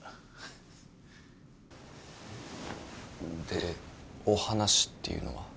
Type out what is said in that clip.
でお話っていうのは？